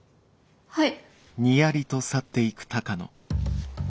はい。